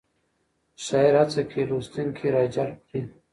شاعر هڅه کوي لوستونکی راجلب کړي.